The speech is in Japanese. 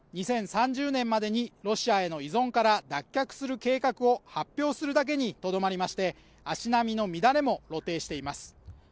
２０３０年までにロシアへの依存から脱却する計画を発表するだけにとどまりまして足並みの乱れも露呈しています